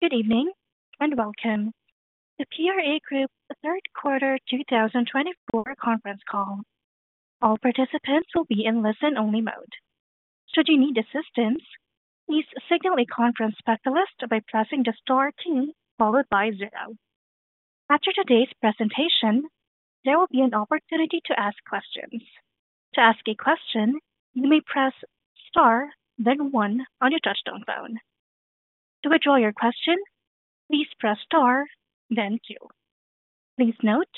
Good evening and welcome to the PRA Group's third quarter 2024 conference call. All participants will be in listen-only mode. Should you need assistance, please signal a conference specialist by pressing the star key followed by zero. After today's presentation, there will be an opportunity to ask questions. To ask a question, you may press star, then one on your touch-tone phone. To withdraw your question, please press star, then two. Please note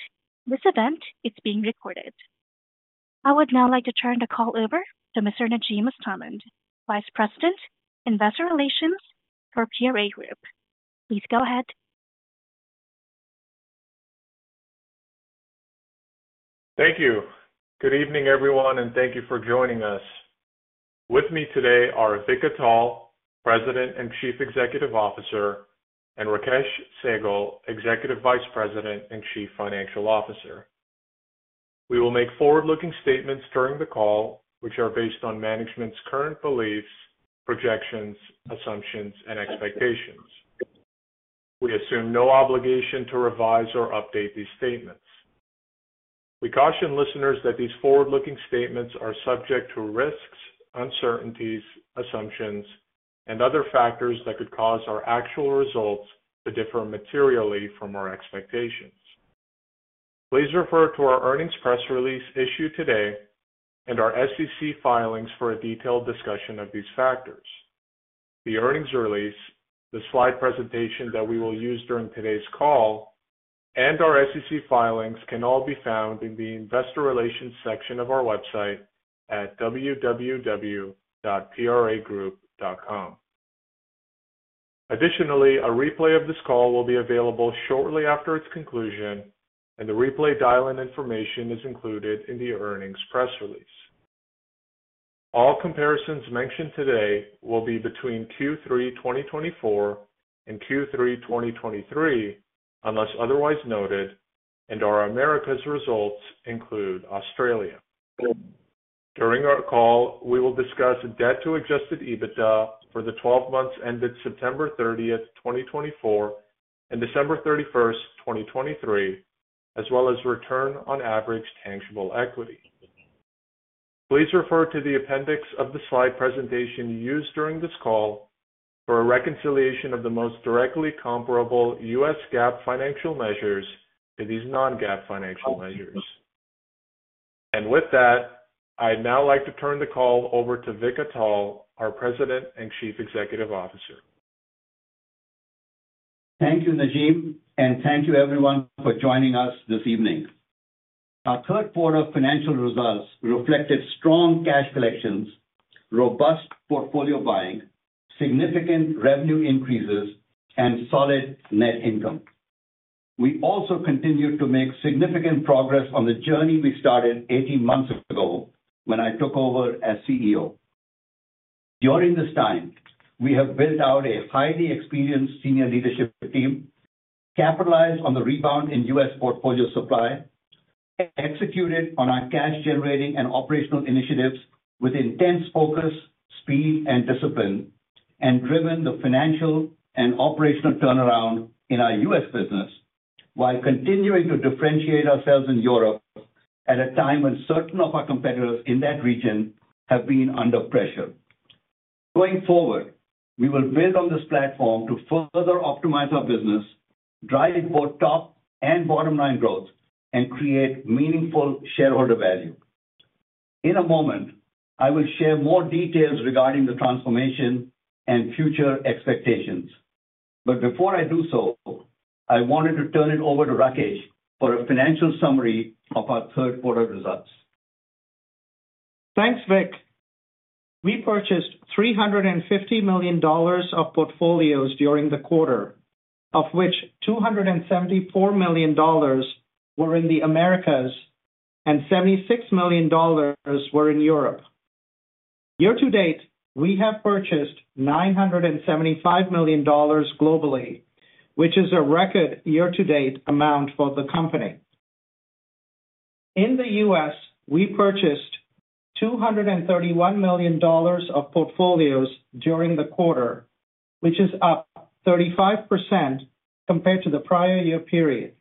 this event is being recorded. I would now like to turn the call over to Mr. Najim Mostamand, Vice President, Investor Relations for PRA Group. Please go ahead. Thank you. Good evening, everyone, and thank you for joining us. With me today are Vik Atal, President and Chief Executive Officer, and Rakesh Sehgal, Executive Vice President and Chief Financial Officer. We will make forward-looking statements during the call, which are based on management's current beliefs, projections, assumptions, and expectations. We assume no obligation to revise or update these statements. We caution listeners that these forward-looking statements are subject to risks, uncertainties, assumptions, and other factors that could cause our actual results to differ materially from our expectations. Please refer to our earnings press release issued today and our SEC filings for a detailed discussion of these factors. The earnings release, the slide presentation that we will use during today's call, and our SEC filings can all be found in the Investor Relations section of our website at www.pragroup.com. Additionally, a replay of this call will be available shortly after its conclusion, and the replay dial-in information is included in the earnings press release. All comparisons mentioned today will be between Q3 2024 and Q3 2023 unless otherwise noted, and our Americas results include Australia. During our call, we will discuss debt to Adjusted EBITDA for the 12 months ended September 30th, 2024, and December 31st, 2023, as well as return on average tangible equity. Please refer to the appendix of the slide presentation used during this call for a reconciliation of the most directly comparable U.S. GAAP financial measures to these non-GAAP financial measures. And with that, I'd now like to turn the call over to Vik Atal, our President and Chief Executive Officer. Thank you, Najim, and thank you, everyone, for joining us this evening. Our third quarter financial results reflected strong cash collections, robust portfolio buying, significant revenue increases, and solid net income. We also continue to make significant progress on the journey we started 18 months ago when I took over as CEO. During this time, we have built out a highly experienced senior leadership team, capitalized on the rebound in U.S. portfolio supply, executed on our cash-generating and operational initiatives with intense focus, speed, and discipline, and driven the financial and operational turnaround in our U.S. business while continuing to differentiate ourselves in Europe at a time when certain of our competitors in that region have been under pressure. Going forward, we will build on this platform to further optimize our business, drive both top and bottom-line growth, and create meaningful shareholder value. In a moment, I will share more details regarding the transformation and future expectations. But before I do so, I wanted to turn it over to Rakesh for a financial summary of our third quarter results. Thanks, Vik. We purchased $350 million of portfolios during the quarter, of which $274 million were in the Americas and $76 million were in Europe. Year-to-date, we have purchased $975 million globally, which is a record year-to-date amount for the company. In the U.S., we purchased $231 million of portfolios during the quarter, which is up 35% compared to the prior year period.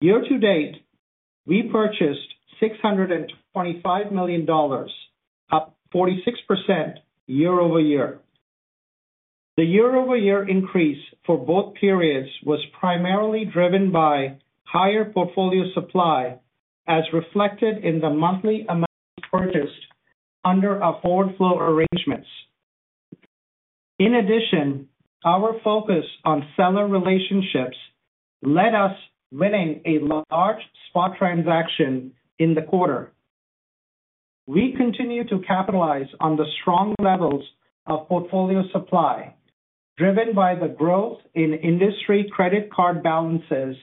Year-to-date, we purchased $625 million, up 46% year-over-year. The year-over-year increase for both periods was primarily driven by higher portfolio supply, as reflected in the monthly amount purchased under our forward flow arrangements. In addition, our focus on seller relationships led us to win a large spot transaction in the quarter. We continue to capitalize on the strong levels of portfolio supply, driven by the growth in industry credit card balances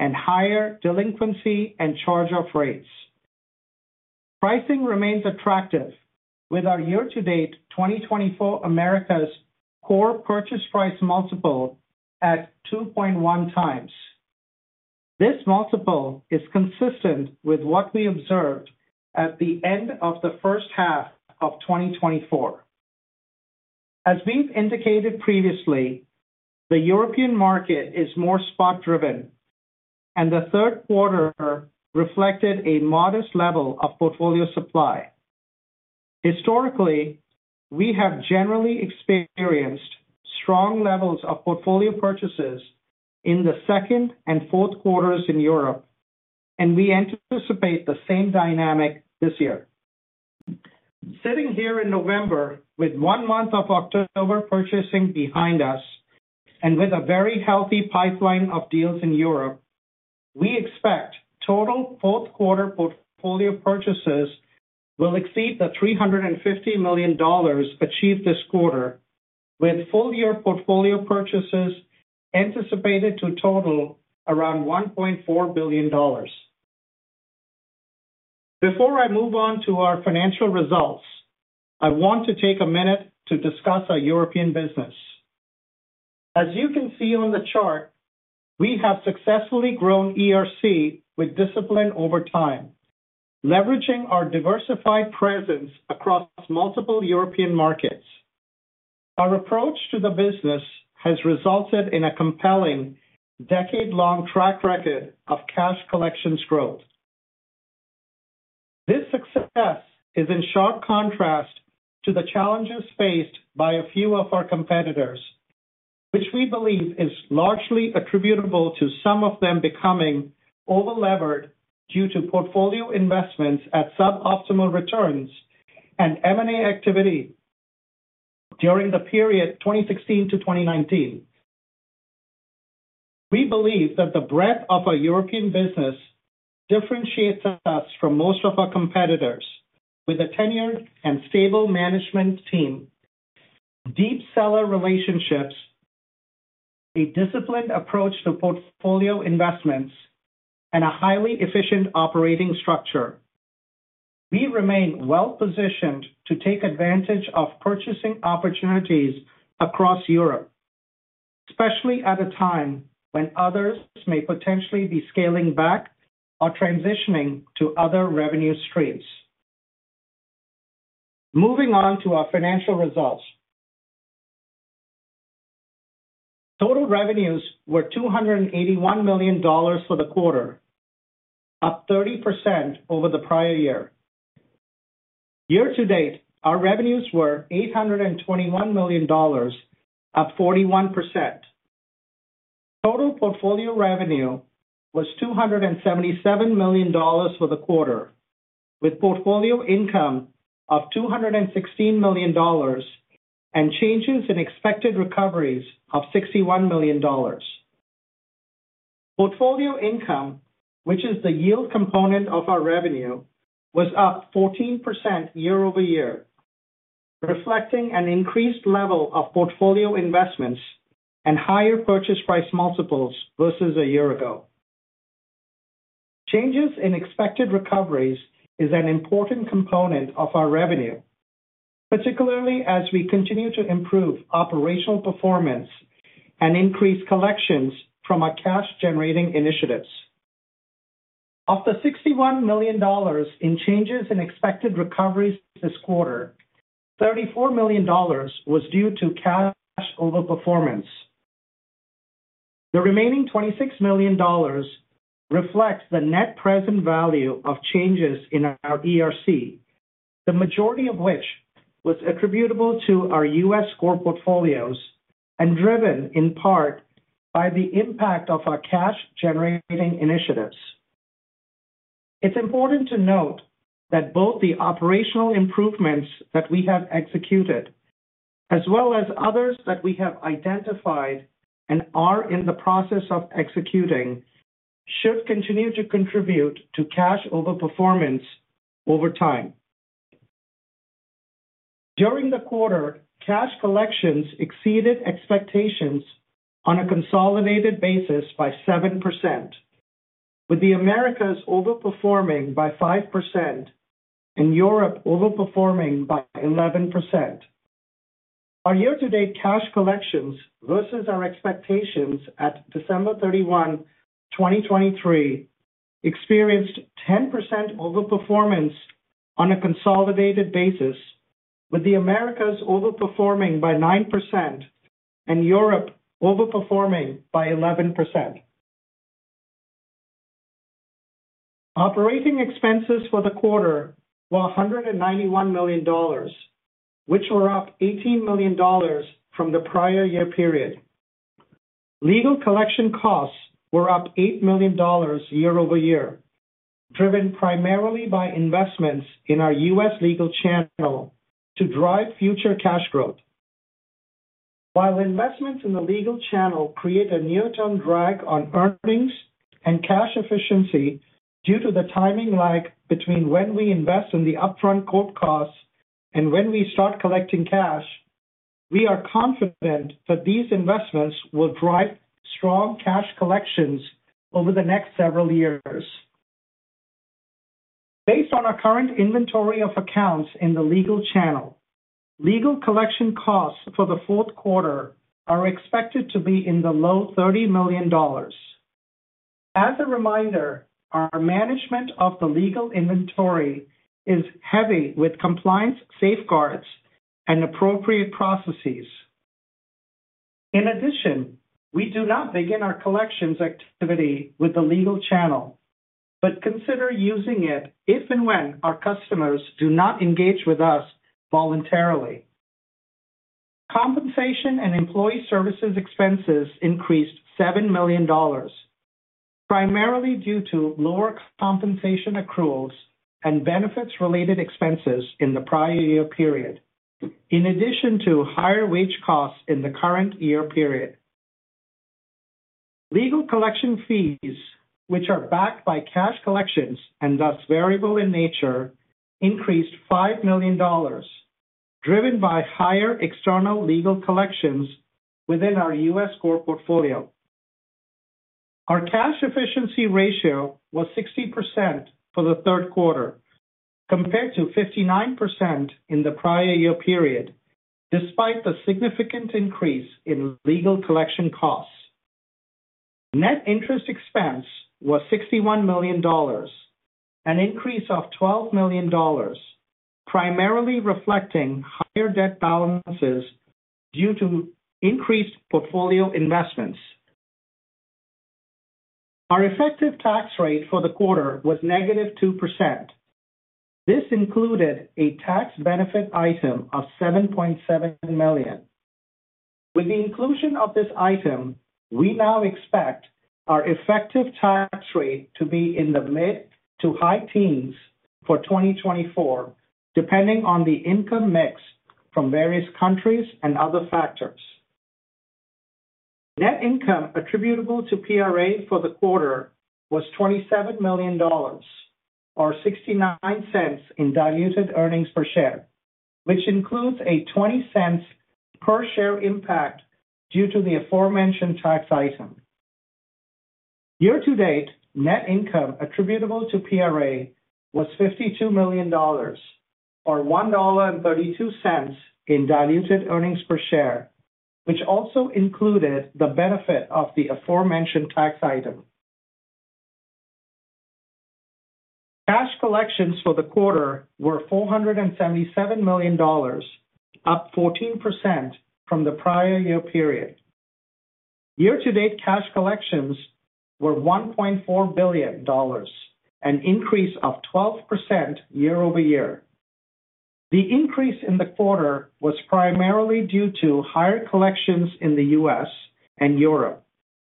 and higher delinquency and charge-off rates. Pricing remains attractive, with our year-to-date 2024 Americas Core purchase price multiple at 2.1x. This multiple is consistent with what we observed at the end of the first half of 2024. As we've indicated previously, the European market is more spot-driven, and the third quarter reflected a modest level of portfolio supply. Historically, we have generally experienced strong levels of portfolio purchases in the second and fourth quarters in Europe, and we anticipate the same dynamic this year. Sitting here in November, with one month of October purchasing behind us and with a very healthy pipeline of deals in Europe, we expect total fourth-quarter portfolio purchases will exceed the $350 million achieved this quarter, with full-year portfolio purchases anticipated to total around $1.4 billion. Before I move on to our financial results, I want to take a minute to discuss our European business. As you can see on the chart, we have successfully grown ERC with discipline over time, leveraging our diversified presence across multiple European markets. Our approach to the business has resulted in a compelling decade-long track record of cash collections growth. This success is in sharp contrast to the challenges faced by a few of our competitors, which we believe is largely attributable to some of them becoming over-levered due to portfolio investments at suboptimal returns and M&A activity during the period 2016 to 2019. We believe that the breadth of our European business differentiates us from most of our competitors with a tenured and stable management team, deep seller relationships, a disciplined approach to portfolio investments, and a highly efficient operating structure. We remain well-positioned to take advantage of purchasing opportunities across Europe, especially at a time when others may potentially be scaling back or transitioning to other revenue streams. Moving on to our financial results. Total revenues were $281 million for the quarter, up 30% over the prior year. Year-to-date, our revenues were $821 million, up 41%. Total portfolio revenue was $277 million for the quarter, with portfolio income of $216 million and changes in expected recoveries of $61 million. Portfolio income, which is the yield component of our revenue, was up 14% year-over-year, reflecting an increased level of portfolio investments and higher purchase price multiples versus a year ago. Changes in expected recoveries are an important component of our revenue, particularly as we continue to improve operational performance and increase collections from our cash-generating initiatives. Of the $61 million in changes in expected recoveries this quarter, $34 million was due to cash overperformance. The remaining $26 million reflects the net present value of changes in our ERC, the majority of which was attributable to our U.S. core portfolios and driven in part by the impact of our cash-generating initiatives. It's important to note that both the operational improvements that we have executed, as well as others that we have identified and are in the process of executing, should continue to contribute to cash overperformance over time. During the quarter, cash collections exceeded expectations on a consolidated basis by 7%, with the Americas overperforming by 5% and Europe overperforming by 11%. Our year-to-date cash collections versus our expectations at December 31, 2023, experienced 10% overperformance on a consolidated basis, with the Americas overperforming by 9% and Europe overperforming by 11%. Operating expenses for the quarter were $191 million, which were up $18 million from the prior year period. Legal collection costs were up $8 million year-over-year, driven primarily by investments in our U.S. legal channel to drive future cash growth. While investments in the legal channel create a near-term drag on earnings and cash efficiency due to the timing lag between when we invest in the upfront court costs and when we start collecting cash, we are confident that these investments will drive strong cash collections over the next several years. Based on our current inventory of accounts in the legal channel, legal collection costs for the fourth quarter are expected to be in the low $30 million. As a reminder, our management of the legal inventory is heavy with compliance safeguards and appropriate processes. In addition, we do not begin our collections activity with the legal channel, but consider using it if and when our customers do not engage with us voluntarily. Compensation and employee services expenses increased $7 million, primarily due to lower compensation accruals and benefits-related expenses in the prior year period, in addition to higher wage costs in the current year period. Legal collection fees, which are backed by cash collections and thus variable in nature, increased $5 million, driven by higher external legal collections within our U.S. core portfolio. Our cash efficiency ratio was 60% for the third quarter, compared to 59% in the prior year period, despite the significant increase in legal collection costs. Net interest expense was $61 million, an increase of $12 million, primarily reflecting higher debt balances due to increased portfolio investments. Our effective tax rate for the quarter was negative 2%. This included a tax benefit item of $7.7 million. With the inclusion of this item, we now expect our effective tax rate to be in the mid to high teens for 2024, depending on the income mix from various countries and other factors. Net income attributable to PRA for the quarter was $27 million, or $0.69 in diluted earnings per share, which includes a $0.20 per share impact due to the aforementioned tax item. Year-to-date, net income attributable to PRA was $52 million, or $1.32 in diluted earnings per share, which also included the benefit of the aforementioned tax item. Cash collections for the quarter were $477 million, up 14% from the prior year period. Year-to-date cash collections were $1.4 billion, an increase of 12% year-over-year. The increase in the quarter was primarily due to higher collections in the U.S. and Europe,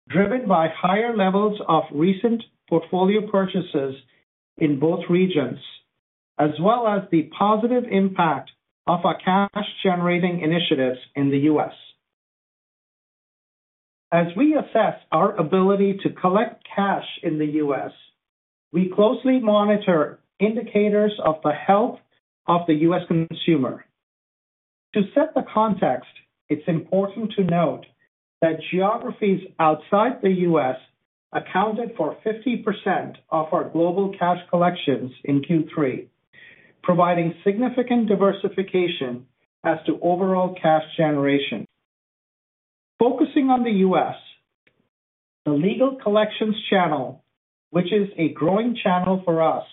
driven by higher levels of recent portfolio purchases in both regions, as well as the positive impact of our cash-generating initiatives in the U.S. As we assess our ability to collect cash in the U.S., we closely monitor indicators of the health of the U.S. consumer. To set the context, it's important to note that geographies outside the U.S. accounted for 50% of our global cash collections in Q3, providing significant diversification as to overall cash generation. Focusing on the U.S., the legal collections channel, which is a growing channel for us,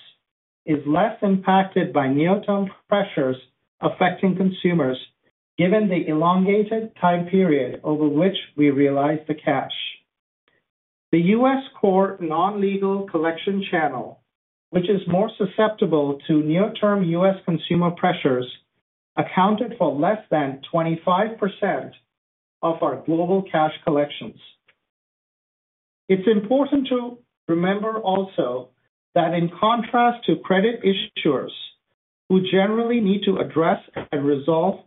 is less impacted by near-term pressures affecting consumers, given the elongated time period over which we realize the cash. The U.S. core non-legal collection channel, which is more susceptible to near-term U.S. consumer pressures, accounted for less than 25% of our global cash collections. It's important to remember also that in contrast to credit issuers, who generally need to address and resolve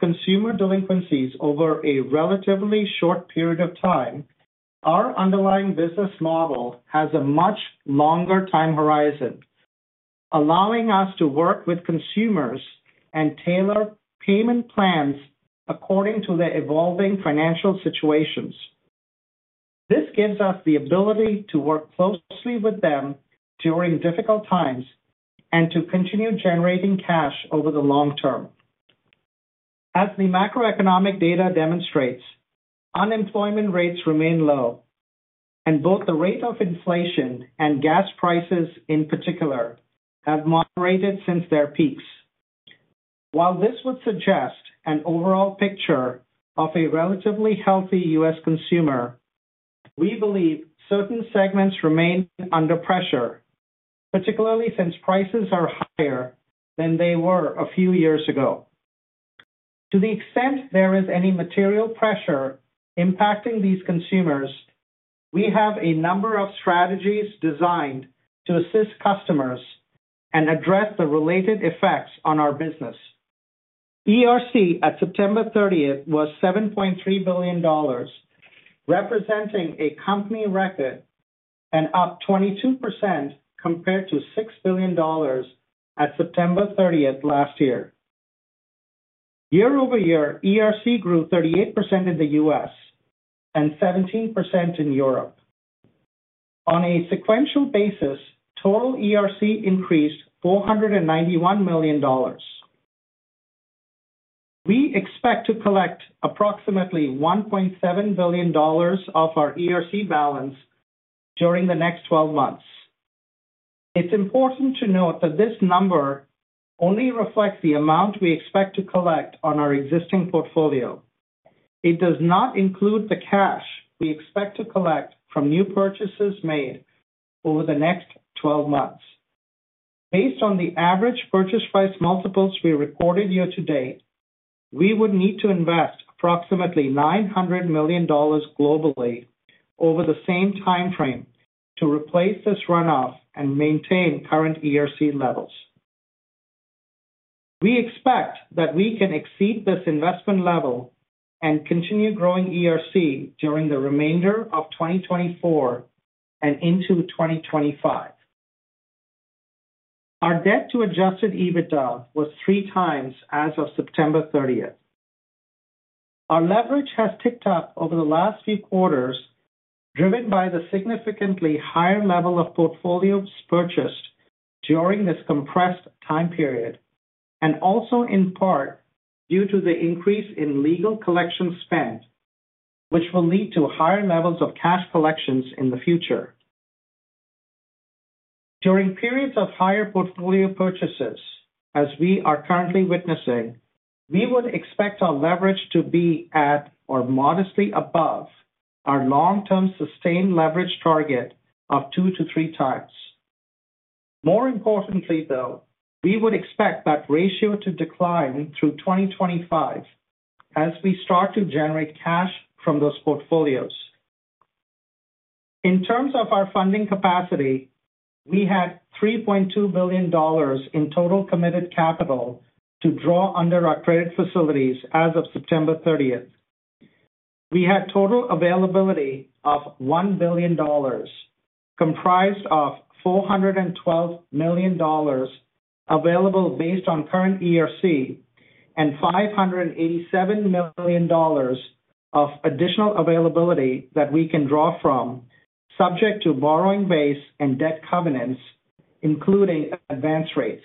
consumer delinquencies over a relatively short period of time, our underlying business model has a much longer time horizon, allowing us to work with consumers and tailor payment plans according to their evolving financial situations. This gives us the ability to work closely with them during difficult times and to continue generating cash over the long term. As the macroeconomic data demonstrates, unemployment rates remain low, and both the rate of inflation and gas prices in particular have moderated since their peaks. While this would suggest an overall picture of a relatively healthy U.S. consumer, we believe certain segments remain under pressure, particularly since prices are higher than they were a few years ago. To the extent there is any material pressure impacting these consumers, we have a number of strategies designed to assist customers and address the related effects on our business. ERC at September 30th was $7.3 billion, representing a company record and up 22% compared to $6 billion at September 30th last year. Year-over-year, ERC grew 38% in the U.S. and 17% in Europe. On a sequential basis, total ERC increased $491 million. We expect to collect approximately $1.7 billion of our ERC balance during the next 12 months. It's important to note that this number only reflects the amount we expect to collect on our existing portfolio. It does not include the cash we expect to collect from new purchases made over the next 12 months. Based on the average purchase price multiples we recorded year-to-date, we would need to invest approximately $900 million globally over the same timeframe to replace this runoff and maintain current ERC levels. We expect that we can exceed this investment level and continue growing ERC during the remainder of 2024 and into 2025. Our debt-to-Adjusted EBITDA was 3x as of September 30th. Our leverage has ticked up over the last few quarters, driven by the significantly higher level of portfolios purchased during this compressed time period, and also in part due to the increase in legal collections spend, which will lead to higher levels of cash collections in the future. During periods of higher portfolio purchases, as we are currently witnessing, we would expect our leverage to be at or modestly above our long-term sustained leverage target of 2x-3x. More importantly, though, we would expect that ratio to decline through 2025 as we start to generate cash from those portfolios. In terms of our funding capacity, we had $3.2 billion in total committed capital to draw under our credit facilities as of September 30th. We had total availability of $1 billion, comprised of $412 million available based on current ERC, and $587 million of additional availability that we can draw from, subject to borrowing base and debt covenants, including advance rates.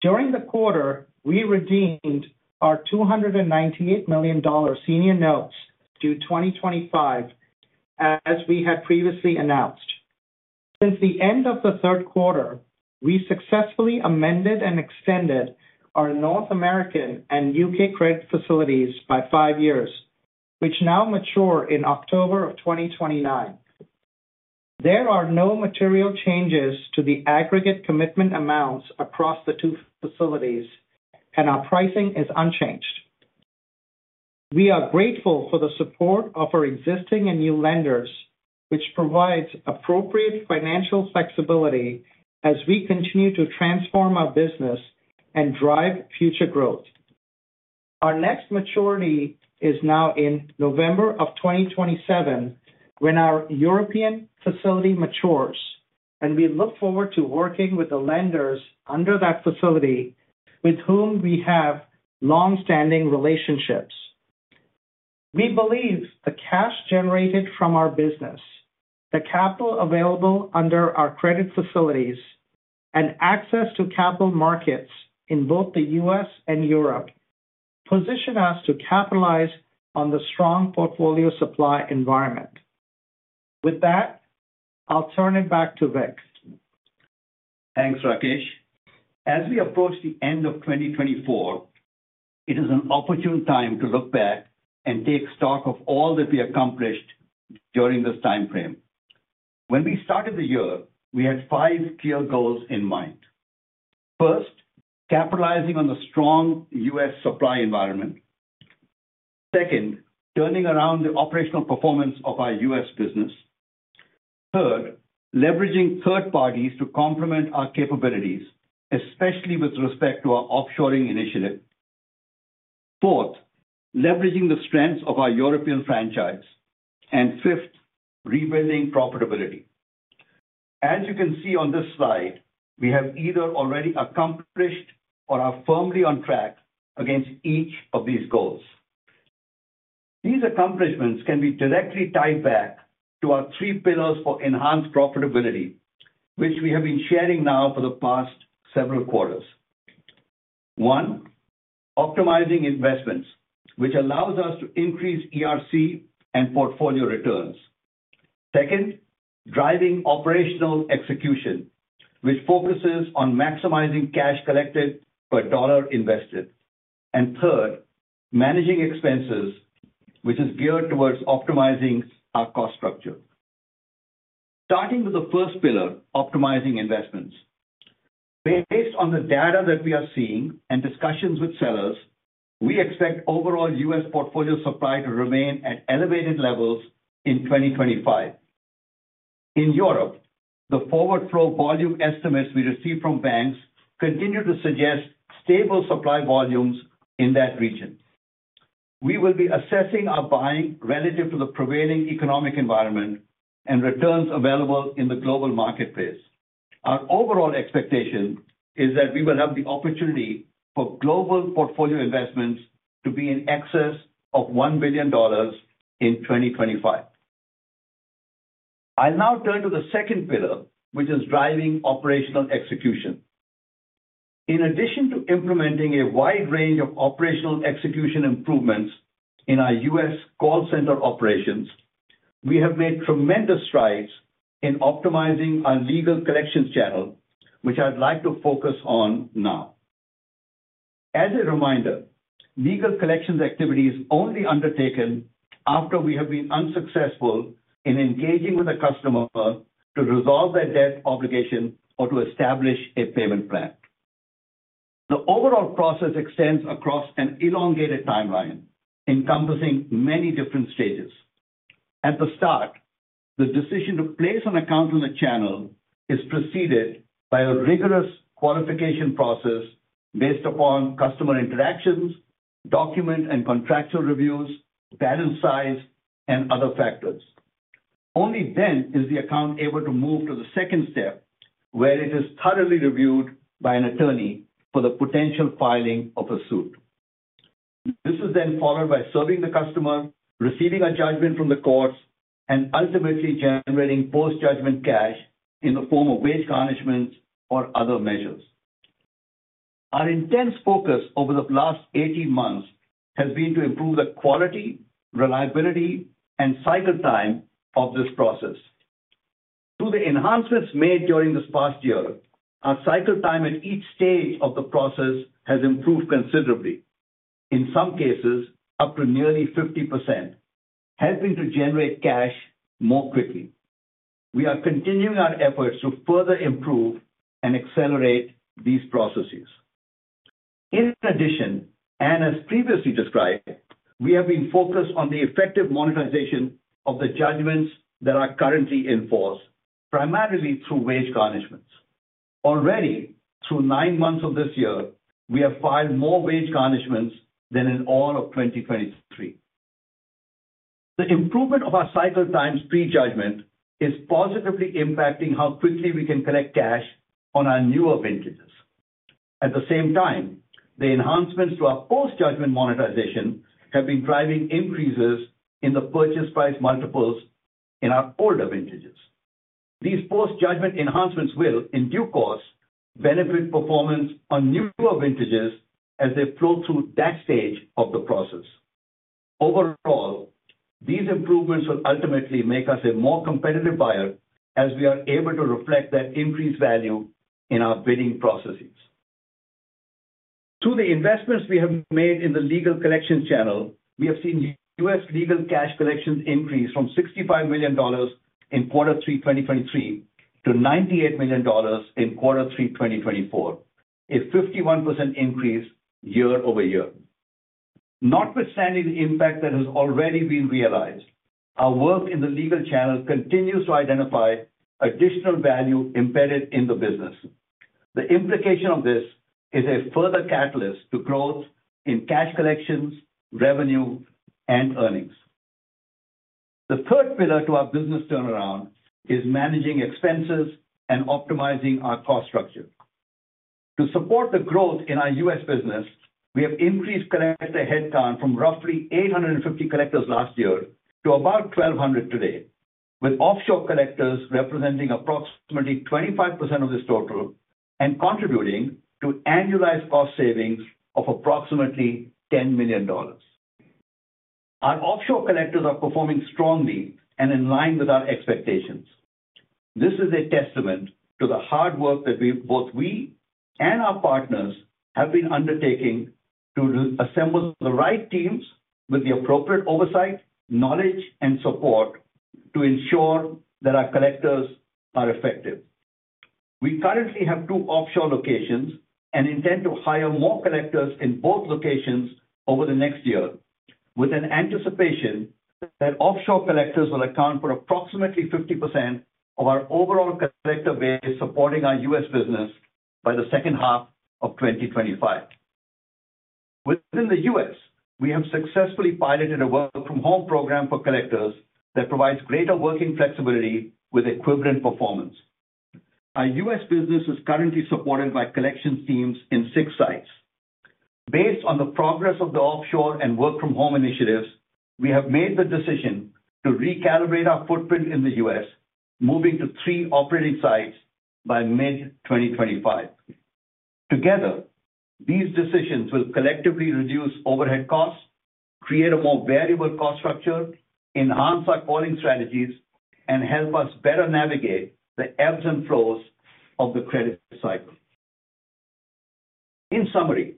During the quarter, we redeemed our $298 million senior notes due 2025, as we had previously announced. Since the end of the third quarter, we successfully amended and extended our North American and U.K. credit facilities by five years, which now mature in October of 2029. There are no material changes to the aggregate commitment amounts across the two facilities, and our pricing is unchanged. We are grateful for the support of our existing and new lenders, which provides appropriate financial flexibility as we continue to transform our business and drive future growth. Our next maturity is now in November of 2027 when our European facility matures, and we look forward to working with the lenders under that facility, with whom we have long-standing relationships. We believe the cash generated from our business, the capital available under our credit facilities, and access to capital markets in both the U.S. and Europe position us to capitalize on the strong portfolio supply environment. With that, I'll turn it back to Vik. Thanks, Rakesh. As we approach the end of 2024, it is an opportune time to look back and take stock of all that we accomplished during this timeframe. When we started the year, we had five clear goals in mind. First, capitalizing on the strong U.S. supply environment. Second, turning around the operational performance of our U.S. business. Third, leveraging third parties to complement our capabilities, especially with respect to our offshoring initiative. Fourth, leveraging the strengths of our European franchise. And fifth, rebuilding profitability. As you can see on this slide, we have either already accomplished or are firmly on track against each of these goals. These accomplishments can be directly tied back to our three pillars for enhanced profitability, which we have been sharing now for the past several quarters. One, optimizing investments, which allows us to increase ERC and portfolio returns. Second, driving operational execution, which focuses on maximizing cash collected per dollar invested. And third, managing expenses, which is geared towards optimizing our cost structure. Starting with the first pillar, optimizing investments. Based on the data that we are seeing and discussions with sellers, we expect overall U.S. portfolio supply to remain at elevated levels in 2025. In Europe, the forward flow volume estimates we received from banks continue to suggest stable supply volumes in that region. We will be assessing our buying relative to the prevailing economic environment and returns available in the global marketplace. Our overall expectation is that we will have the opportunity for global portfolio investments to be in excess of $1 billion in 2025. I'll now turn to the second pillar, which is driving operational execution. In addition to implementing a wide range of operational execution improvements in our U.S. call center operations, we have made tremendous strides in optimizing our legal collections channel, which I'd like to focus on now. As a reminder, legal collections activity is only undertaken after we have been unsuccessful in engaging with a customer to resolve their debt obligation or to establish a payment plan. The overall process extends across an elongated timeline encompassing many different stages. At the start, the decision to place an account on the channel is preceded by a rigorous qualification process based upon customer interactions, document and contractual reviews, balance size, and other factors. Only then is the account able to move to the second step, where it is thoroughly reviewed by an attorney for the potential filing of a suit. This is then followed by serving the customer, receiving a judgment from the courts, and ultimately generating post-judgment cash in the form of wage garnishments or other measures. Our intense focus over the last 18 months has been to improve the quality, reliability, and cycle time of this process. Through the enhancements made during this past year, our cycle time at each stage of the process has improved considerably, in some cases up to nearly 50%, helping to generate cash more quickly. We are continuing our efforts to further improve and accelerate these processes. In addition, and as previously described, we have been focused on the effective monetization of the judgments that are currently in force, primarily through wage garnishments. Already, through nine months of this year, we have filed more wage garnishments than in all of 2023. The improvement of our cycle time's pre-judgment is positively impacting how quickly we can collect cash on our newer vintages. At the same time, the enhancements to our post-judgment monetization have been driving increases in the purchase price multiples in our older vintages. These post-judgment enhancements will, in due course, benefit performance on newer vintages as they flow through that stage of the process. Overall, these improvements will ultimately make us a more competitive buyer as we are able to reflect that increased value in our bidding processes. Through the investments we have made in the legal collections channel, we have seen U.S. legal cash collections increase from $65 million in quarter three 2023 to $98 million in quarter three 2024, a 51% increase year over year. Notwithstanding the impact that has already been realized, our work in the legal channel continues to identify additional value embedded in the business. The implication of this is a further catalyst to growth in cash collections, revenue, and earnings. The third pillar to our business turnaround is managing expenses and optimizing our cost structure. To support the growth in our U.S. business, we have increased collector headcount from roughly 850 collectors last year to about 1,200 today, with offshore collectors representing approximately 25% of this total and contributing to annualized cost savings of approximately $10 million. Our offshore collectors are performing strongly and in line with our expectations. This is a testament to the hard work that both we and our partners have been undertaking to assemble the right teams with the appropriate oversight, knowledge, and support to ensure that our collectors are effective. We currently have two offshore locations and intend to hire more collectors in both locations over the next year, with an anticipation that offshore collectors will account for approximately 50% of our overall collector base supporting our U.S. business by the second half of 2025. Within the U.S., we have successfully piloted a work-from-home program for collectors that provides greater working flexibility with equivalent performance. Our U.S. business is currently supported by collections teams in six sites. Based on the progress of the offshore and work-from-home initiatives, we have made the decision to recalibrate our footprint in the U.S., moving to three operating sites by mid-2025. Together, these decisions will collectively reduce overhead costs, create a more variable cost structure, enhance our calling strategies, and help us better navigate the ebbs and flows of the credit cycle. In summary,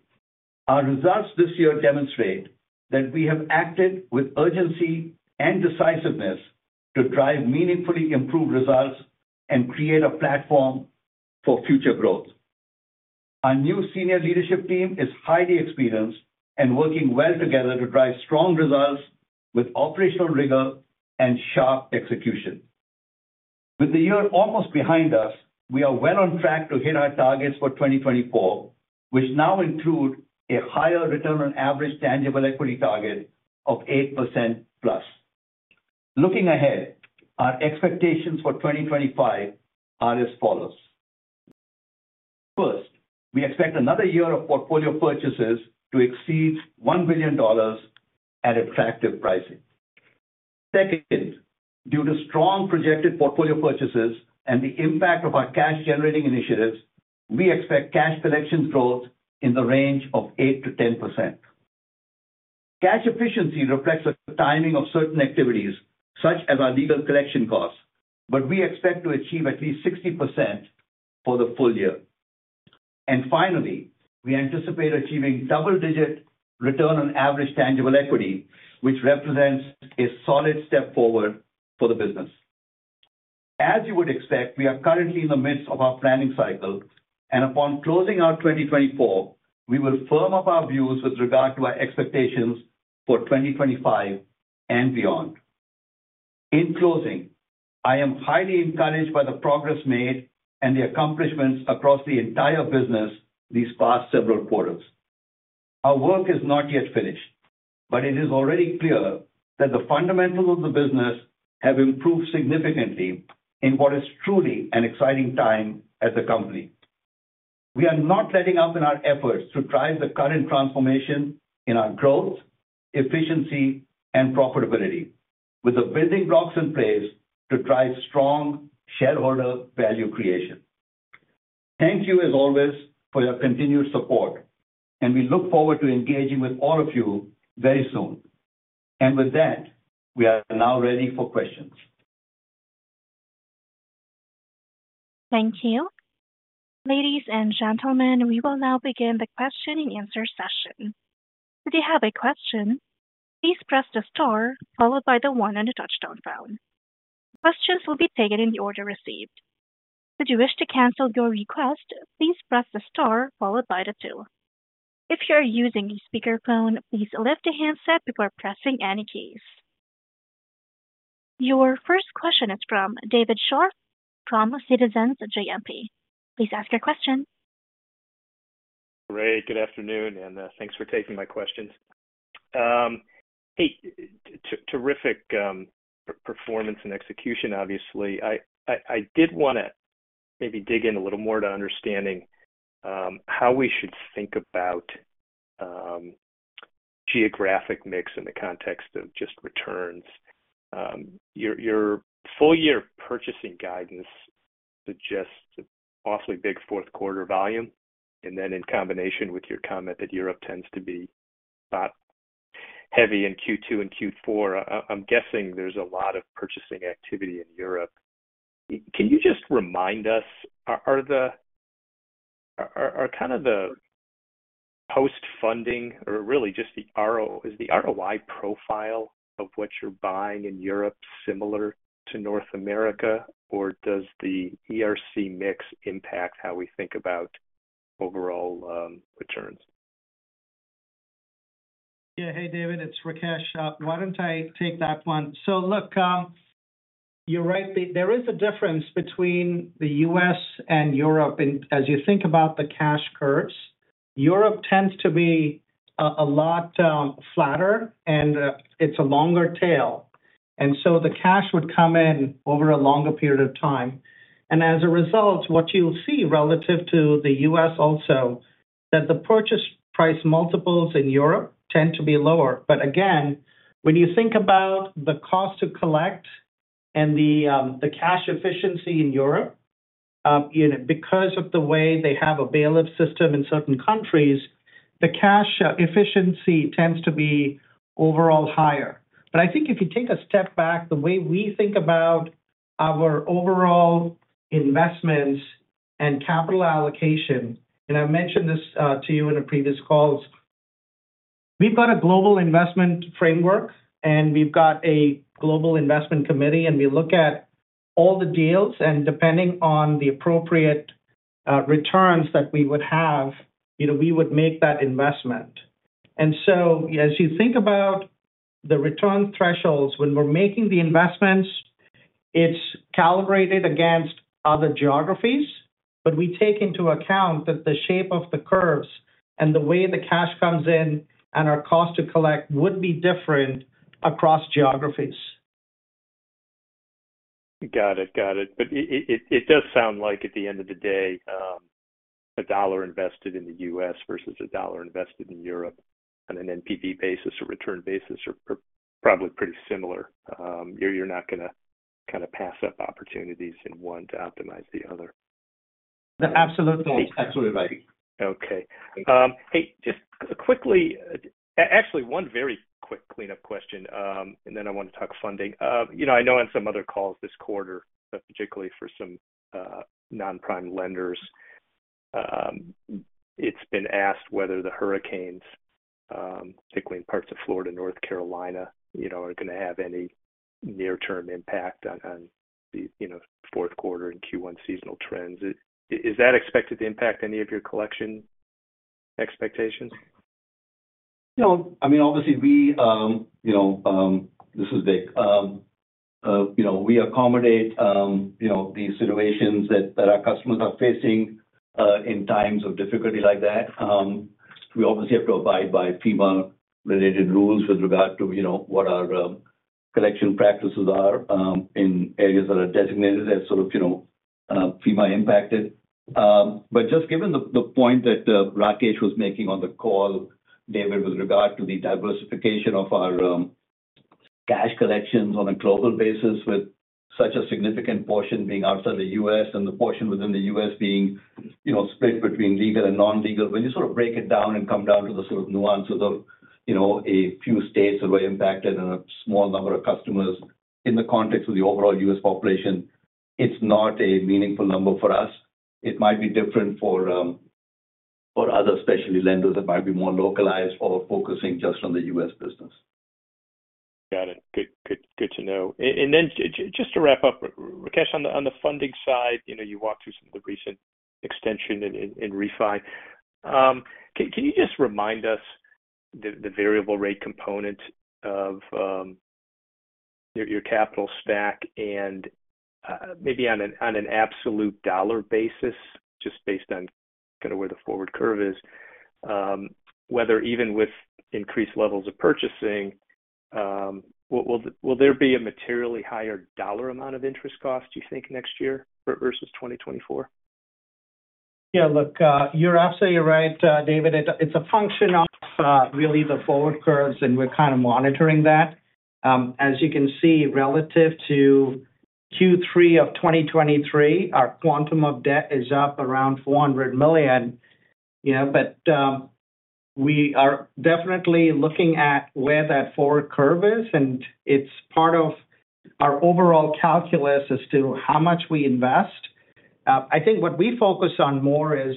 our results this year demonstrate that we have acted with urgency and decisiveness to drive meaningfully improved results and create a platform for future growth. Our new senior leadership team is highly experienced and working well together to drive strong results with operational rigor and sharp execution. With the year almost behind us, we are well on track to hit our targets for 2024, which now include a higher return on average tangible equity target of 8%+. Looking ahead, our expectations for 2025 are as follows. First, we expect another year of portfolio purchases to exceed $1 billion at attractive pricing. Second, due to strong projected portfolio purchases and the impact of our cash-generating initiatives, we expect cash collections growth in the range of 8%-10%. Cash efficiency reflects the timing of certain activities, such as our legal collection costs, but we expect to achieve at least 60% for the full year. And finally, we anticipate achieving double-digit return on average tangible equity, which represents a solid step forward for the business. As you would expect, we are currently in the midst of our planning cycle, and upon closing out 2024, we will firm up our views with regard to our expectations for 2025 and beyond. In closing, I am highly encouraged by the progress made and the accomplishments across the entire business these past several quarters. Our work is not yet finished, but it is already clear that the fundamentals of the business have improved significantly in what is truly an exciting time at the company. We are not letting up in our efforts to drive the current transformation in our growth, efficiency, and profitability, with the building blocks in place to drive strong shareholder value creation. Thank you, as always, for your continued support, and we look forward to engaging with all of you very soon. And with that, we are now ready for questions. Thank you. Ladies and gentlemen, we will now begin the question-and-answer session. If you have a question, please press the star followed by the one on the touch-tone phone. Questions will be taken in the order received. If you wish to cancel your request, please press the star followed by the two. If you are using a speakerphone, please lift the handset before pressing any keys. Your first question is from David Scharf from Citizens JMP. Please ask your question. Great. Good afternoon, and thanks for taking my questions. Hey, terrific performance and execution, obviously. I did want to maybe dig in a little more to understanding how we should think about geographic mix in the context of just returns. Your full-year purchasing guidance suggests an awfully big fourth quarter volume, and then in combination with your comment that Europe tends to be bought heavy in Q2 and Q4, I'm guessing there's a lot of purchasing activity in Europe. Can you just remind us, are kind of the post-funding, or really just the ROI profile of what you're buying in Europe similar to North America, or does the ERC mix impact how we think about overall returns? Yeah. Hey, David, it's Rakesh. Why don't I take that one? So look, you're right. There is a difference between the U.S. and Europe, and as you think about the cash curves, Europe tends to be a lot flatter, and it's a longer tail, and so the cash would come in over a longer period of time, and as a result, what you'll see relative to the U.S. also, that the purchase price multiples in Europe tend to be lower. But again, when you think about the cost to collect and the cash efficiency in Europe, because of the way they have a bailiff system in certain countries, the cash efficiency tends to be overall higher. But I think if you take a step back, the way we think about our overall investments and capital allocation, and I mentioned this to you in a previous call, we've got a global investment framework, and we've got a global investment committee, and we look at all the deals. And depending on the appropriate returns that we would have, we would make that investment. And so as you think about the return thresholds when we're making the investments, it's calibrated against other geographies, but we take into account that the shape of the curves and the way the cash comes in and our cost to collect would be different across geographies. Got it. Got it. But it does sound like at the end of the day, a dollar invested in the U.S. versus a dollar invested in Europe on an NPV basis or return basis are probably pretty similar. You're not going to kind of pass up opportunities and want to optimize the other. Absolutely. Absolutely. Okay. Hey, just quickly, actually, one very quick cleanup question, and then I want to talk funding. I know on some other calls this quarter, particularly for some non-prime lenders, it's been asked whether the hurricanes, particularly in parts of Florida and North Carolina, are going to have any near-term impact on the fourth quarter and Q1 seasonal trends. Is that expected to impact any of your collection expectations? No. I mean, obviously, this is big. We accommodate the situations that our customers are facing in times of difficulty like that. We obviously have to abide by FEMA-related rules with regard to what our collection practices are in areas that are designated as sort of FEMA-impacted. But just given the point that Rakesh was making on the call, David, with regard to the diversification of our cash collections on a global basis with such a significant portion being outside the U.S. and the portion within the U.S. being split between legal and non-legal, when you sort of break it down and come down to the sort of nuances of a few states that were impacted and a small number of customers in the context of the overall U.S. population, it's not a meaningful number for us. It might be different for other specialty lenders that might be more localized or focusing just on the U.S. business. Got it. Good to know. And then, just to wrap up, Rakesh, on the funding side, you walked through some of the recent extension in refi. Can you just remind us the variable rate component of your capital stack and maybe on an absolute dollar basis, just based on kind of where the forward curve is, whether even with increased levels of purchasing, will there be a materially higher dollar amount of interest cost, do you think, next year versus 2024? Yeah. Look, you're absolutely right, David. It's a function of really the forward curves, and we're kind of monitoring that. As you can see, relative to Q3 of 2023, our quantum of debt is up around $400 million. But we are definitely looking at where that forward curve is, and it's part of our overall calculus as to how much we invest. I think what we focus on more is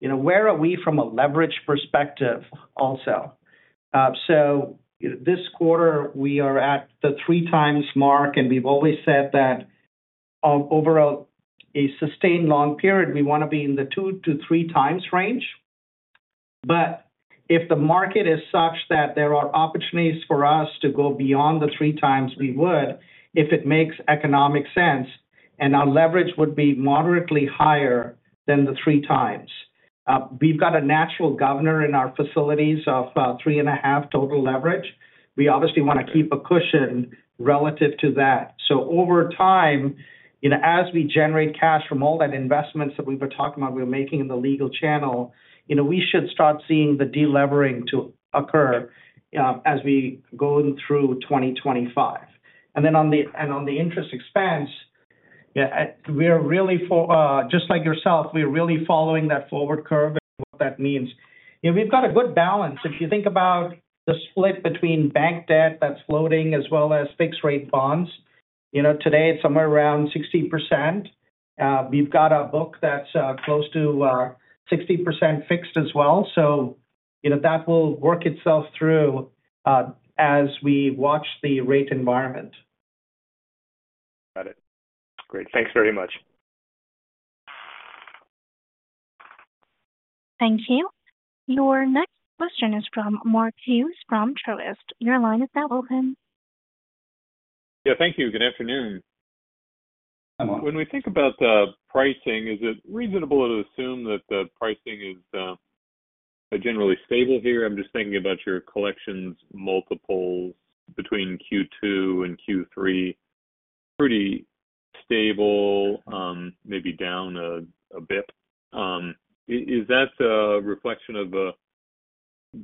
where are we from a leverage perspective also. So this quarter, we are at the 3x mark, and we've always said that over a sustained long period, we want to be in the 2x-3x range. But if the market is such that there are opportunities for us to go beyond the 3x, we would, if it makes economic sense, and our leverage would be moderately higher than the 3x. We've got a natural governor in our facilities of three and a half total leverage. We obviously want to keep a cushion relative to that. So over time, as we generate cash from all that investments that we've been talking about, we're making in the legal channel, we should start seeing the delevering to occur as we go through 2025. And then on the interest expense, yeah, we're really, just like yourself, we're really following that forward curve and what that means. We've got a good balance. If you think about the split between bank debt that's floating as well as fixed-rate bonds, today it's somewhere around 60%. We've got a book that's close to 60% fixed as well. So that will work itself through as we watch the rate environment. Got it. Great. Thanks very much. Thank you. Your next question is from Mark Hughes from Truist. Your line is now open. Yeah. Thank you. Good afternoon. When we think about the pricing, is it reasonable to assume that the pricing is generally stable here? I'm just thinking about your collections multiples between Q2 and Q3, pretty stable, maybe down a bit. Is that a reflection of the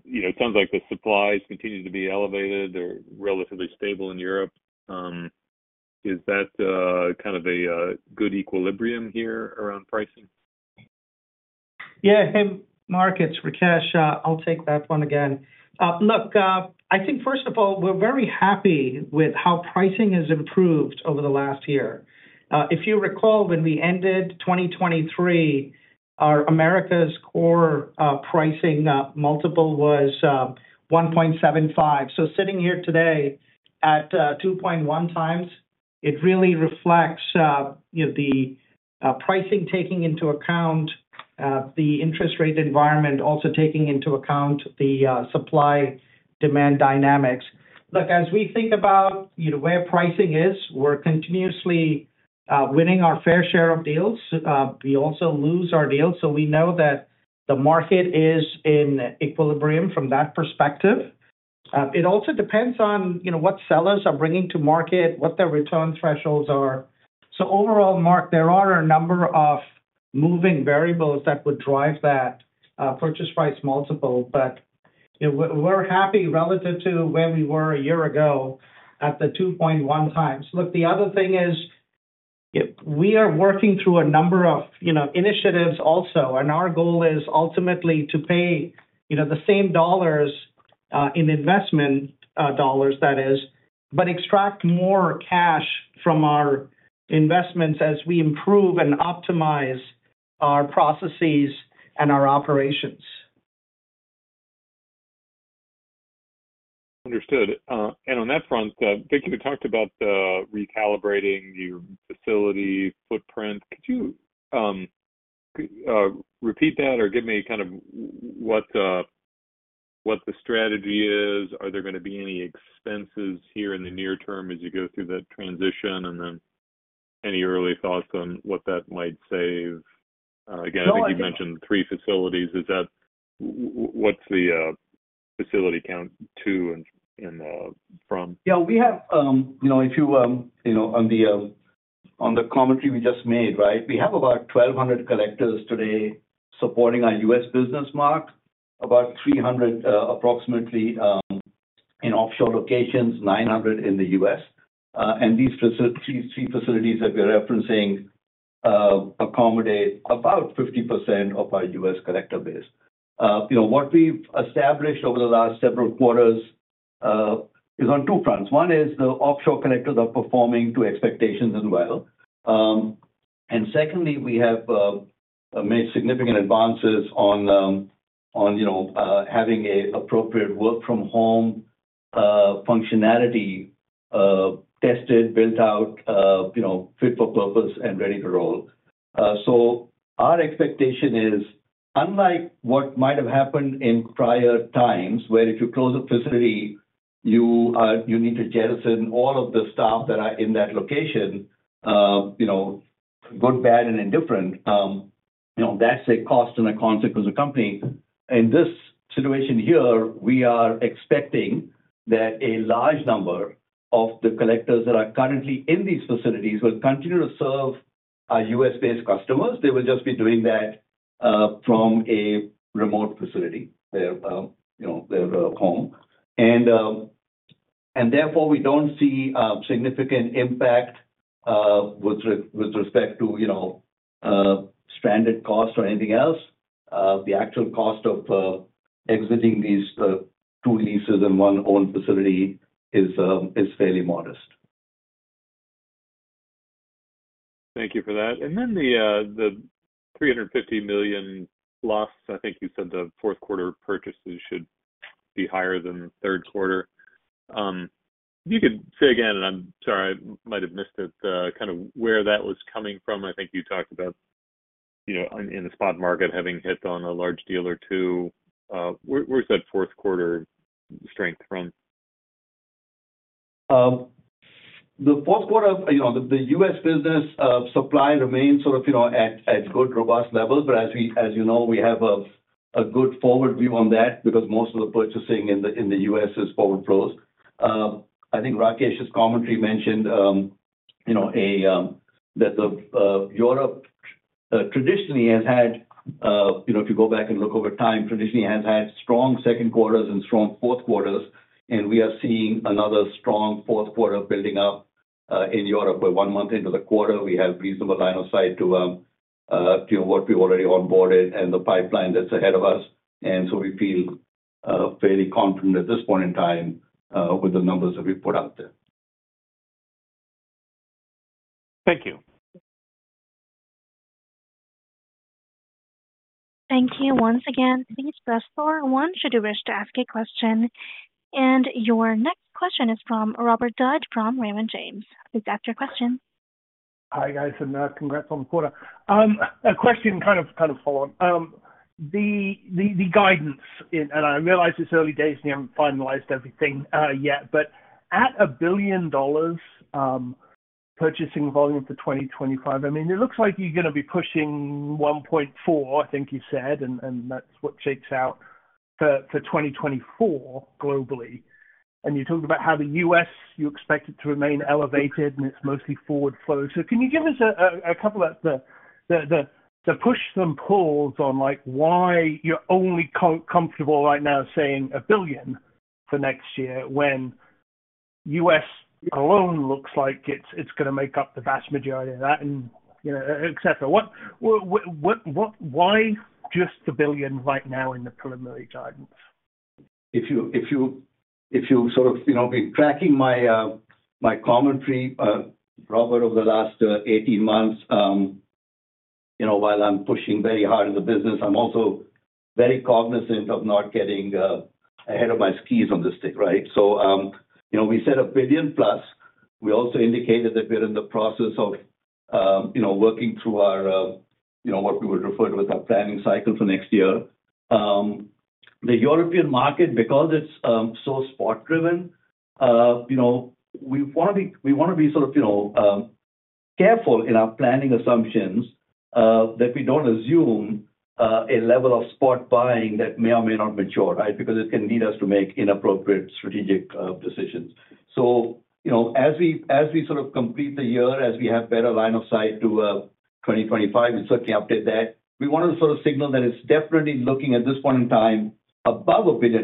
it sounds like the supplies continue to be elevated or relatively stable in Europe? Is that kind of a good equilibrium here around pricing? Yeah. Hey, Mark, it's Rakesh. I'll take that one again. Look, I think, first of all, we're very happy with how pricing has improved over the last year. If you recall, when we ended 2023, our Americas Core pricing multiple was 1.75x. So sitting here today at 2.1x, it really reflects the pricing taking into account the interest rate environment, also taking into account the supply-demand dynamics. Look, as we think about where pricing is, we're continuously winning our fair share of deals. We also lose our deals. So we know that the market is in equilibrium from that perspective. It also depends on what sellers are bringing to market, what their return thresholds are. Overall, Mark, there are a number of moving variables that would drive that purchase price multiple. But we're happy relative to where we were a year ago at the 2.1x. Look, the other thing is we are working through a number of initiatives also, and our goal is ultimately to pay the same dollars in investment dollars, that is, but extract more cash from our investments as we improve and optimize our processes and our operations. Understood. On that front, Vik, you talked about recalibrating your facility footprint. Could you repeat that or give me kind of what the strategy is? Are there going to be any expenses here in the near term as you go through that transition? And then any early thoughts on what that might save? Again, I think you mentioned three facilities. What's the facility count to and from? Yeah. We have, following on the commentary we just made, right. We have about 1,200 collectors today supporting our U.S. business, about 300 approximately in offshore locations, 900 in the U.S., and these three facilities that we're referencing accommodate about 50% of our U.S. collector base. What we've established over the last several quarters is on two fronts. One is the offshore collectors are performing to expectations as well. And secondly, we have made significant advances on having an appropriate work-from-home functionality tested, built out, fit for purpose, and ready to roll, so our expectation is, unlike what might have happened in prior times where if you close a facility, you need to jettison all of the staff that are in that location, good, bad, and indifferent, that's a cost and a consequence of company. In this situation here, we are expecting that a large number of the collectors that are currently in these facilities will continue to serve our U.S.-based customers. They will just be doing that from a remote facility, their home. And therefore, we don't see a significant impact with respect to stranded cost or anything else. The actual cost of exiting these two leases and one owned facility is fairly modest. Thank you for that. And then the $350 million loss, I think you said the fourth quarter purchases should be higher than third quarter. You could say again, and I'm sorry, I might have missed it, kind of where that was coming from. I think you talked about in the spot market having hit on a large deal or two. Where's that fourth quarter strength from? The fourth quarter, the U.S. business supply remains sort of at good, robust levels. But as you know, we have a good forward view on that because most of the purchasing in the U.S. is forward flows. I think Rakesh's commentary mentioned that Europe traditionally has had, if you go back and look over time, traditionally has had strong second quarters and strong fourth quarters. And we are seeing another strong fourth quarter building up in Europe. One month into the quarter, we have reasonable line of sight to what we've already onboarded and the pipeline that's ahead of us. And so we feel fairly confident at this point in time with the numbers that we've put out there. Thank you. Thank you once again. Please press start one should you wish to ask a question. And your next question is from Robert Dodd from Raymond James. Please ask your question. Hi, guys. Congrats on the quarter. A question kind of following. The guidance, and I realize it's early days and you haven't finalized everything yet, but at $1 billion purchasing volume for 2025, I mean, it looks like you're going to be pushing $1.4 billion, I think you said, and that's what shakes out for 2024 globally. And you talked about how the U.S., you expect it to remain elevated and it's mostly forward flow. So can you give us a couple of the push and pulls on why you're only comfortable right now saying $1 billion for next year when U.S. alone looks like it's going to make up the vast majority of that, etc. Why just $1 billion right now in the preliminary guidance? If you sort of been tracking my commentary, Robert, over the last 18 months, while I'm pushing very hard in the business, I'm also very cognizant of not getting ahead of my skis on this thing, right? So we said $1 billion+. We also indicated that we're in the process of working through what we would refer to as our planning cycle for next year. The European market, because it's so spot-driven, we want to be sort of careful in our planning assumptions that we don't assume a level of spot buying that may or may not mature, right, because it can lead us to make inappropriate strategic decisions. So as we sort of complete the year, as we have better line of sight to 2025, we certainly update that. We want to sort of signal that it's definitely looking at this point in time above $1 billion.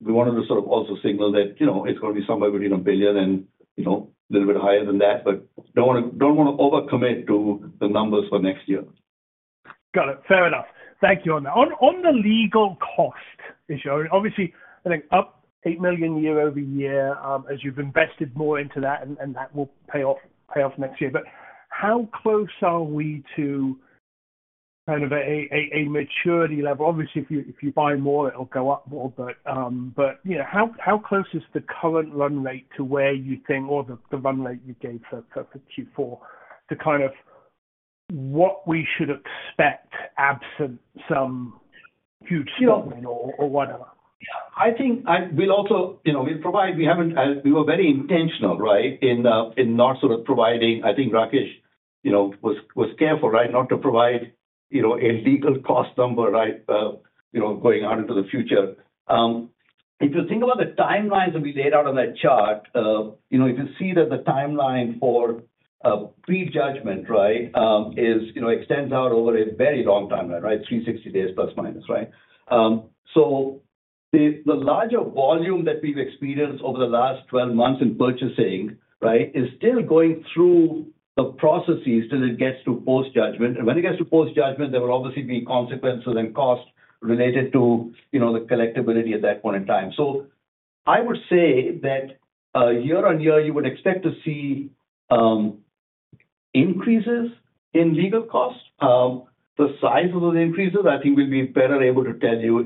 We wanted to sort of also signal that it's going to be somewhere between $1 billion and a little bit higher than that, but don't want to overcommit to the numbers for next year. Got it. Fair enough. Thank you on that. On the legal cost, obviously, I think up $8 million year over year as you've invested more into that, and that will pay off next year. But how close are we to kind of a maturity level? Obviously, if you buy more, it'll go up more. But how close is the current run rate to where you think, or the run rate you gave for Q4, to kind of what we should expect absent some huge slump or whatever? Yeah. I think we'll also provide we were very intentional, right, in not sort of providing. I think Rakesh was careful, right, not to provide a legal cost number, right, going out into the future. If you think about the timelines that we laid out on that chart, if you see that the timeline for pre-judgment, right, extends out over a very long timeline, right, 360 days ±, right? So the larger volume that we've experienced over the last 12 months in purchasing, right, is still going through the processes till it gets to post-judgment. And when it gets to post-judgment, there will obviously be consequences and costs related to the collectibility at that point in time. So I would say that year on year, you would expect to see increases in legal costs. The size of those increases, I think, we'll be better able to tell you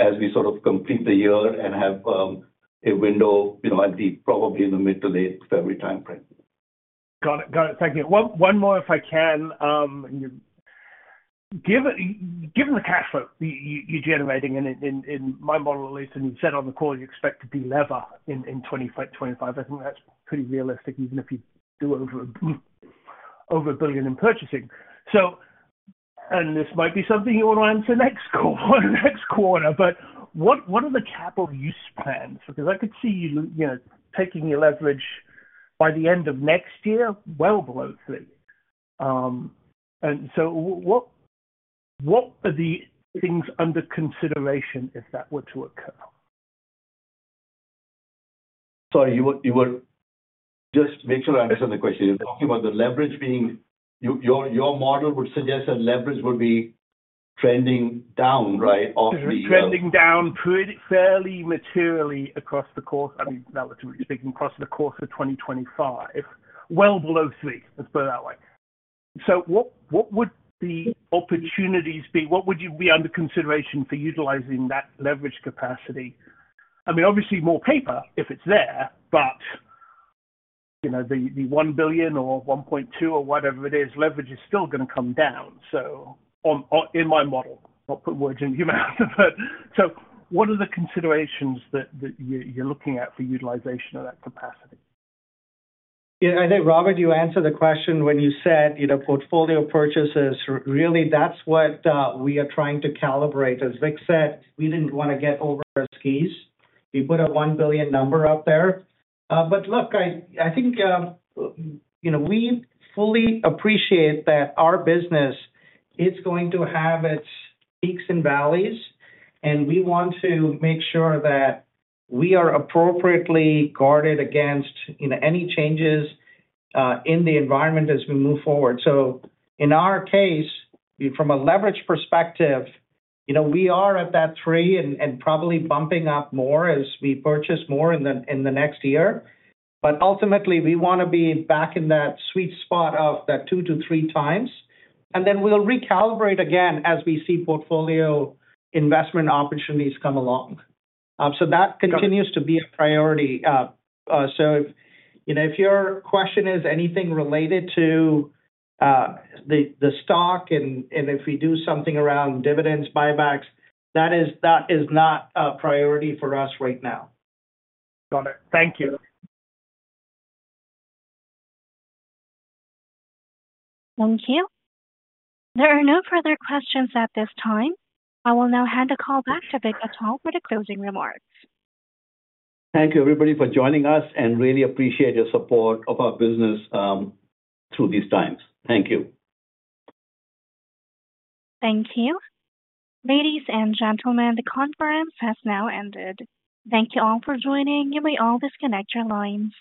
as we sort of complete the year and have a window at the portfolio in the mid to late February timeframe. Got it. Got it. Thank you. One more, if I can. Given the cash flow you're generating, in my model at least, and you said on the call you expect to be levered in 2025, I think that's pretty realistic, even if you do over a billion in purchasing. And this might be something you want to answer next quarter. But what are the capital use plans? Because I could see you taking your leverage by the end of next year, well below three. And so what are the things under consideration if that were to occur? Sorry, just make sure I understand the question. You're talking about the leverage being your model would suggest that leverage would be trending down, right, off the year. Trending down fairly materially across the course, I mean, relatively speaking, across the course of 2025, well below three, let's put it that way. So what would the opportunities be? What would you be under consideration for utilizing that leverage capacity? I mean, obviously, more paper if it's there, but the $1 billion or $1.2 billion or whatever it is, leverage is still going to come down, so in my model. I'll put words in your mouth. So what are the considerations that you're looking at for utilization of that capacity? Yeah. I think, Robert, you answered the question when you said portfolio purchases. Really, that's what we are trying to calibrate. As Vik said, we didn't want to get over our skis. We put a $1 billion number up there. But look, I think we fully appreciate that our business is going to have its peaks and valleys, and we want to make sure that we are appropriately guarded against any changes in the environment as we move forward. So in our case, from a leverage perspective, we are at that three and probably bumping up more as we purchase more in the next year. But ultimately, we want to be back in that sweet spot of that 2x-3x. And then we'll recalibrate again as we see portfolio investment opportunities come along. So that continues to be a priority. So if your question is anything related to the stock and if we do something around dividends, buybacks, that is not a priority for us right now. Got it. Thank you. Thank you. There are no further questions at this time. I will now hand the call back to Vik Atal for the closing remarks. Thank you, everybody, for joining us, and really appreciate your support of our business through these times. Thank you. Thank you. Ladies and gentlemen, the conference has now ended. Thank you all for joining. You may all disconnect your lines.